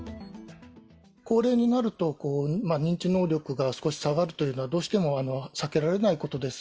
高齢になると、認知能力が少し下がるというのは、どうしても避けられないことです。